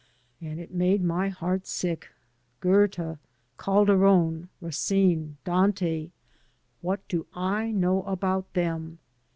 — ^and it made my heart sick. Goethe, Calderon, Racine, Dante, what do I know about them?